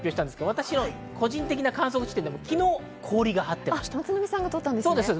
私の個人的な観測地点では昨日、氷が張っていました。